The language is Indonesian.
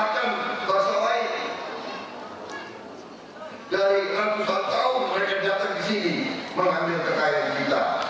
kita selain dari ratusan tahun mereka datang di sini mengambil kekayaan kita